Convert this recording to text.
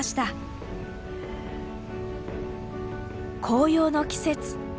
紅葉の季節。